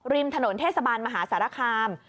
ริมถนนเทศบาลมหาสารคาม